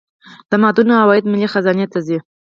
د معدنونو عواید ملي خزانې ته ځي